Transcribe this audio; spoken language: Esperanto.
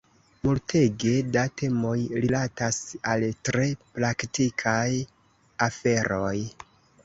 Multege da temoj rilatas al tre praktikaj aferoj.